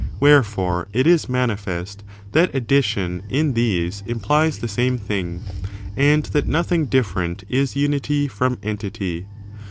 Wherefore, it is manifest that addition in these implies the same thing, and that nothing different is unity jfrom entity.